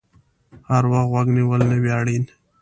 هر وخت غوږ نیول نه وي اړین